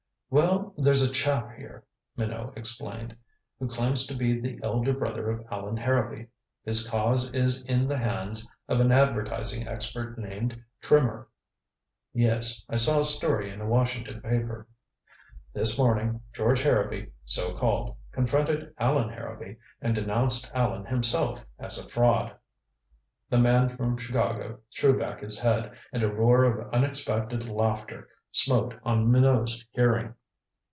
"Well, there's a chap here," Minot explained, "who claims to be the elder brother of Allan Harrowby. His cause is in the hands of an advertising expert named Trimmer." "Yes. I saw a story in a Washington paper." "This morning George Harrowby, so called, confronted Allan Harrowby and denounced Allan himself as a fraud." The man from Chicago threw back his head, and a roar of unexpected laughter smote on Minot's hearing.